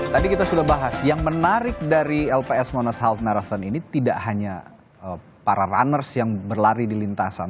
tadi kita sudah bahas yang menarik dari lps monas health narasson ini tidak hanya para runners yang berlari di lintasan